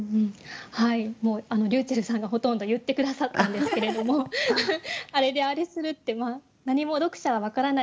りゅうちぇるさんがほとんど言って下さったんですけれども「あれであれする」って何も読者は分からない